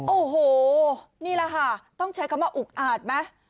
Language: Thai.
โอ้โหนี่แหละค่ะต้องใช้คำว่าอุกอาจไหม